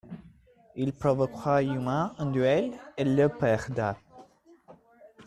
Il provoqua Yuma en duel et le perda.